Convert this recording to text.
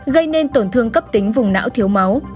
gây nên tổn thương cấp tính vùng não thiếu máu